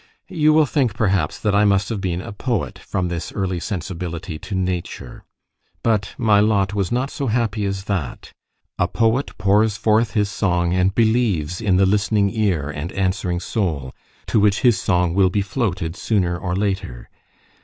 You will think, perhaps, that I must have been a poet, from this early sensibility to Nature. But my lot was not so happy as that. A poet pours forth his song and believes in the listening ear and answering soul, to which his song will be floated sooner or later.